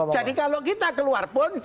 jadi kalau kita keluar pun